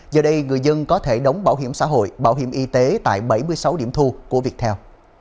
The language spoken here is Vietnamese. giờ đây người dân có thể đóng bảo hiểm xã hội bảo hiểm y tế tại bảy mươi sáu điểm thu của viettel